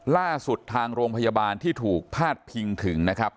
ทางโรงพยาบาลที่ถูกพาดพิงถึงนะครับ